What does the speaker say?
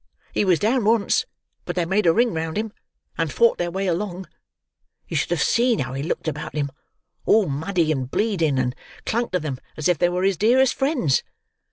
He was down once, but they made a ring round him, and fought their way along. You should have seen how he looked about him, all muddy and bleeding, and clung to them as if they were his dearest friends.